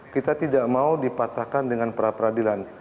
kita tidak mau dipatahkan dengan pra peradilan